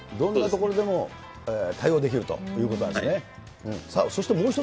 どんなところでも対応できるということなんですね。